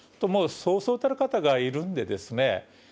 そうそうたる方がいるんでですね